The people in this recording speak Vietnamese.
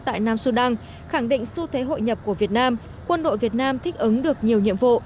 tại nam sudan khẳng định xu thế hội nhập của việt nam quân đội việt nam thích ứng được nhiều nhiệm vụ